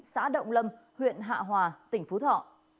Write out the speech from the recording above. xã động lâm huyện hạ hòa tỉnh phú thọ